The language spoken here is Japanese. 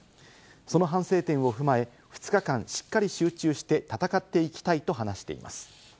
その反省点を踏まえ、２日間しっかり集中して戦っていきたいと話しています。